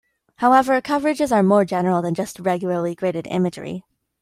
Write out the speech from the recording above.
However, coverages are more general than just regularly gridded imagery.